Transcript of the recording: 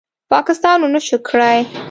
پاکستان ونشو کړې